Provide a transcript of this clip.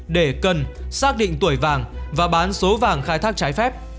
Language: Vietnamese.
để cân xác định tuổi vàng và bán số vàng khai thác